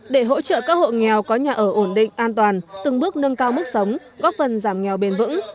để hỗ trợ các hộ nghèo có nhà ở ổn định an toàn từng bước nâng cao mức sống góp phần giảm nghèo bền vững